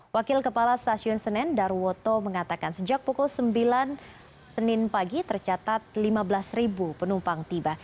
wakil kepala stasiun senen darwoto mengatakan sejak pukul sembilan senin pagi tercatat lima belas penumpang tiba